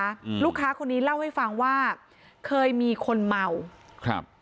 อืมลูกค้าคนนี้เล่าให้ฟังว่าเคยมีคนเมาครับ